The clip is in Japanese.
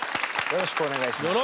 よろしくお願いします。